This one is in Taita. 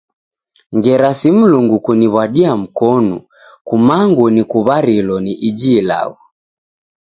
Ngera si Mlungu kuniw'wadia mkonu, kumangu nikuw'arilo ni iji ilagho.